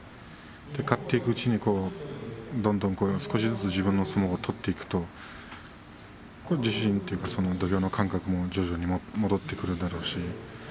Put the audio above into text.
勝っていくうち、にどんどん少しずつ自分の相撲を取っていくと自信というか土俵の感覚も徐々に戻ってくるんだろうし。